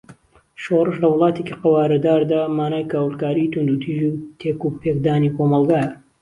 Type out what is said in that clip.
شۆرش لە ولاتێکی قەوارەداردا مانای کاولکاری، توندوتیژی و تێکوپێکدانی کۆمەلگایە.